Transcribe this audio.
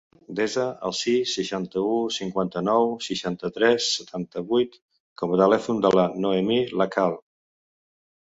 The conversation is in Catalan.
Desa el sis, seixanta-u, cinquanta-nou, seixanta-tres, setanta-vuit com a telèfon de la Noemí Lakhal.